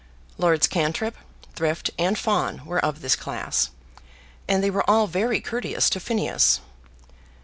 Lords Cantrip, Thrift, and Fawn were of this class, and they were all very courteous to Phineas.